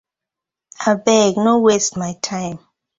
Abeg! No waste my time.